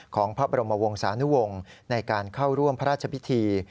ของพระบรมวงศานุวงศ์ในการเข้าร่วมพระราชพิธี